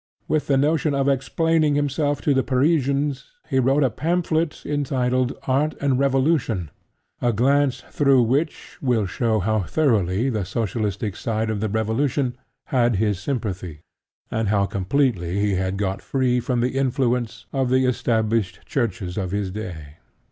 With the notion of explaining himself to the Parisians he wrote a pamphlet entitled Art and Revolution, a glance through which will show how thoroughly the socialistic side of the revolution had his sympathy, and how completely he had got free from the influence of the established Churches of his day.